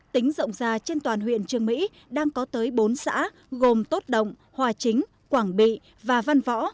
tính rộng ra trên toàn huyện trường mỹ đang có tới bốn xã gồm tốt động hòa chính quảng bị và văn võ